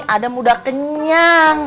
adam sudah kenyang